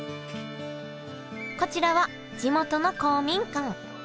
こちらは地元の公民館。